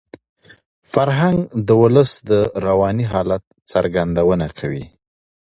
فرهنګ د ولس د رواني حالت څرګندونه کوي.